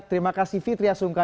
terima kasih fitri asungka